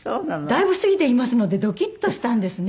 だいぶ過ぎていますのでドキッとしたんですね。